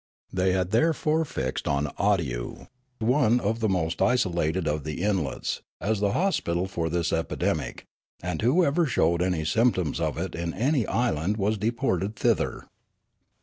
They had therefore fixed on Awdyoo, one of the most isolated of the islets, as the hospital for this epidemic ; and whoever showed any symptoms of it in any island was deported thither.